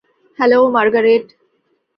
Hello, Margaret.